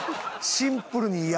シンプルにイヤ。